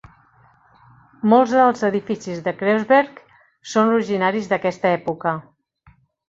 Molts dels edificis de Kreuzberg són originaris d'aquesta època.